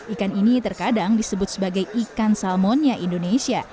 ikan ini terkadang disebut sebagai ikan salmonnya indonesia